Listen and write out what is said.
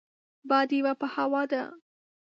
باديوه په هوا ده.